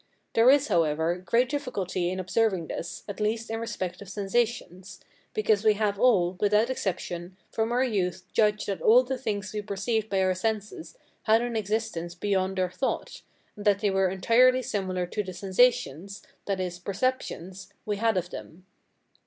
There is, however, great difficulty in observing this, at least in respect of sensations; because we have all, without exception, from our youth judged that all the things we perceived by our senses had an existence beyond our thought, and that they were entirely similar to the sensations, that is, perceptions, we had of them.